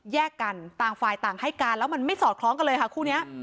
แยกกันต่างฝ่ายต่างให้การแล้วมันไม่สอดคล้องกันเลยค่ะคู่นี้